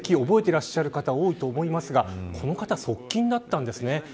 覚えていらっしゃる方多いと思いますがこの方、側近だったんですね。